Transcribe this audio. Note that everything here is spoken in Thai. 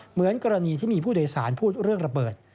เหมือนกรณีที่มีผู้โดยสารพูดเรื่องระเบิด